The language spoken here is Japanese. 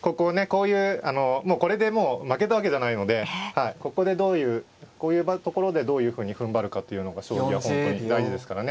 こういうあのもうこれでもう負けたわけじゃないのでここでどういうこういうところでどういうふうにふんばるかというのが将棋は本当に大事ですからね。